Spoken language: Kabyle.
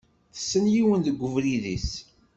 Tessen yiwen deg ubrid-is.